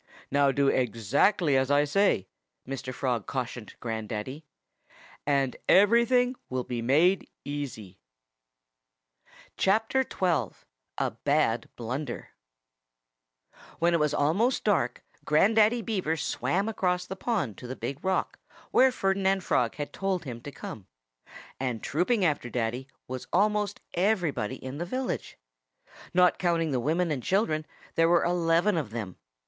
"Now, do exactly as I say," Mr. Frog cautioned Grandaddy, "and everything will be made easy." XII A BAD BLUNDER When it was almost dark Grandaddy Beaver swam across the pond to the big rock, where Ferdinand Frog had told him to come. And trooping after Daddy was almost everybody in the village. Not counting the women and children, there were eleven of them.